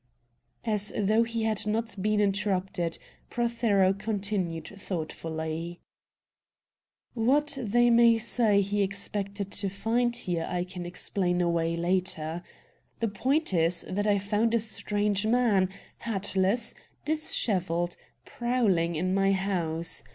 As though he had not been interrupted, Prothero continued thoughtfully: "What they may say he expected to find here, I can explain away later. The point is that I found a strange man, hatless, dishevelled, prowling in my house.